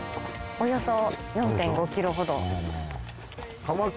およそ４．５キロほど。